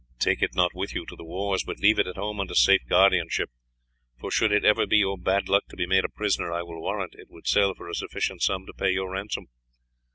Take it not with you to the wars, but leave it at home under safe guardianship, for should it ever be your bad luck to be made a prisoner, I will warrant it would sell for a sufficient sum to pay your ransom.